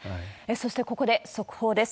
そしてここで速報です。